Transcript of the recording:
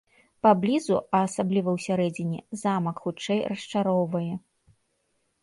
Паблізу, а асабліва ўсярэдзіне, замак, хутчэй, расчароўвае.